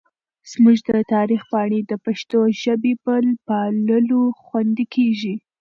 زموږ د تاریخ پاڼې د پښتو ژبې په پاللو خوندي کېږي.